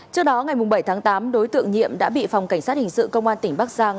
trước đó ngày bảy tháng tám đối tượng nhiệm đã bị phòng cảnh sát hình sự công an tỉnh bắc giang